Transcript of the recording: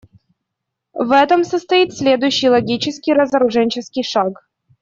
В этом состоит следующий логический разоруженческий шаг.